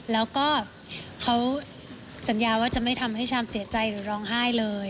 แล้วก็เขาสัญญาว่าจะไม่ทำให้ชามเสียใจหรือร้องไห้เลย